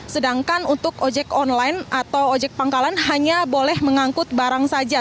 sedangkan untuk ojek online atau ojek pangkalan hanya boleh mengangkut barang saja